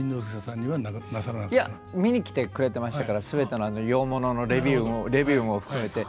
いや見に来てくれてましたから全ての洋物のレビューも含めて。